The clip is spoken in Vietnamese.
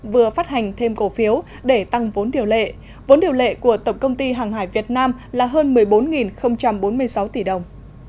vừa phát hành thêm cổ phiếu để tăng vốn điều lệ vốn điều lệ của tổng công ty hàng hải việt nam là hơn một mươi bốn bốn mươi sáu tỷ đồng